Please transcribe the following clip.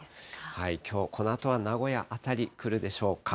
きょうこのあとは名古屋辺り来るでしょうか。